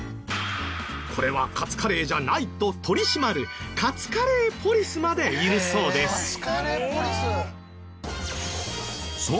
「これはカツカレーじゃない！」と取り締まるカツカレーポリスまでいるそうです。